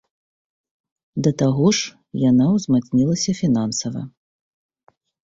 Да таго ж яна ўзмацнілася фінансава.